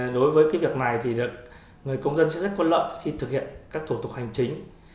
đối với việc này thì người công dân sẽ rất có lợi khi thực hiện các thủ tục hành chính